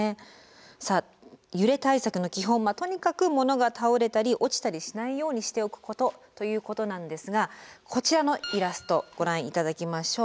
さあ揺れ対策の基本とにかく物が倒れたり落ちたりしないようにしておくことということなんですがこちらのイラストご覧頂きましょう。